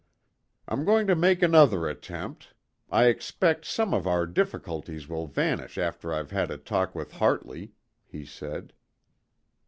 "I'm going to make another attempt. I expect some of our difficulties will vanish after I've had a talk with Hartley," he said.